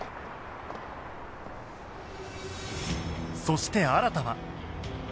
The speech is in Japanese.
そして新は